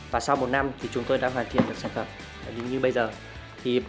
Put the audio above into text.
và sau một năm chúng tôi đã hoàn thiện được sản phẩm đến nh như bây giờ